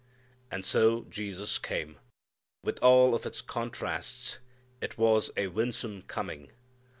And so Jesus came. With all of its contrasts it was a winsome coming.